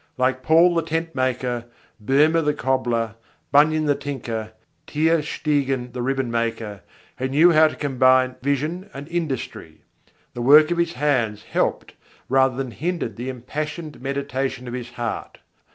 Like Paul the tentmaker, Boehme the cobbler, Bunyan the tinker, Tersteegen the ribbon maker, he knew how to combine vision and industry; the work of his hands helped rather than hindered the impassioned meditation of his heart.